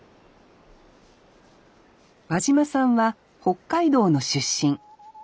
和嶋さんは北海道の出身。